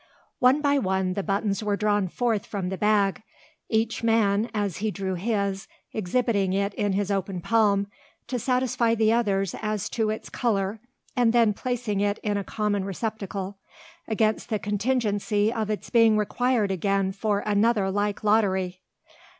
One by one the buttons were drawn forth from the bag, each man, as he drew his, exhibiting it in his open palm, to satisfy the others as to its colour, and then placing it in a common receptacle, against the contingency of its being required again for another like lottery!